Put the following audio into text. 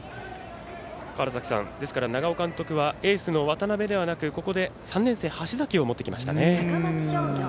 ですから、長尾監督はエースの渡辺ではなく３年生の橋崎を持ってきました。